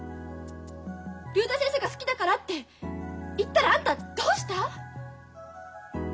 竜太先生が好きだからって言ったらあんたどうした？